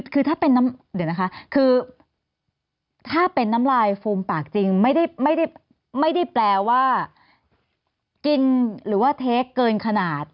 คือถ้าเป็นน้ำลายฟูมปากจริงไม่ได้แปลว่ากินหรือว่าเทกเกินขนาด